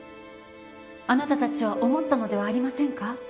あなたたちは思ったのではありませんか？